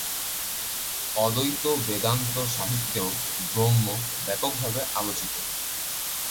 অদ্বৈত বেদান্ত সাহিত্যেও ব্রহ্ম ব্যাপকভাবে আলোচিত।